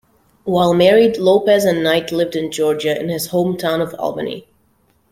While married, Lopez and Knight lived in Georgia in his hometown of Albany.